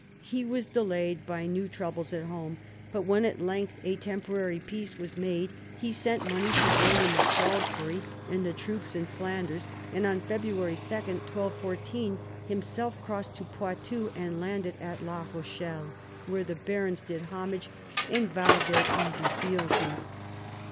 He was delayed by new troubles at home, but when at length a temporary peace was made he sent money to William of Salisbury and the troops in Flanders, and on February 2, 1214, himself crossed to Poitou and landed at La Eochelle, where the barons did homage and vowed their easy fealty.